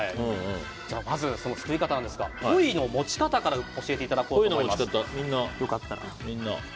まず、すくい方なんですがポイの持ち方から教えていただこうと思います。